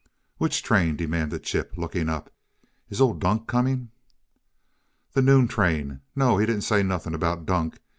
"Which train?" demanded Chip, looking up. "Is old Dunk coming?" "The noon train. No, he didn't say nothing about Dunk.